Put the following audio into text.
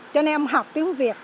cho nên ông học tiếng việt